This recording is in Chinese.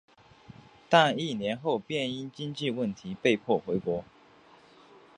但一年后便因经济问题被迫回国。